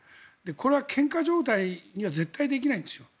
これはけんか状態には絶対できないんです。